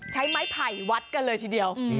ใช้ไม้ไผ่วัดกันเลยทีเดียว